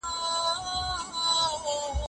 انسان وروسته پښېماني احساسوي.